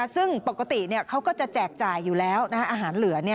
ซึ่งปกติเขาก็จะแจกจ่ายอยู่แล้วอาหารเหลือ